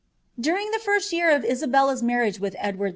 "' During the first year of Isabella's marriage with Edward II.